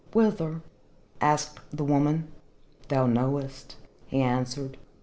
"Whither?" asked the woman. "Thou knowest," he answered.